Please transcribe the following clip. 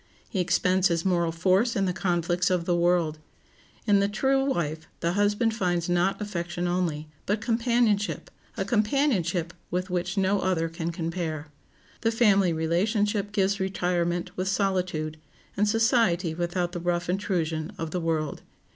He expends his moral force in the conflicts of the world. In the true wife the husband finds not affection only, but companionship—a companionship with which no other can compare. The family relationship gives retirement with solitude, and society without the rough intrusion of the world.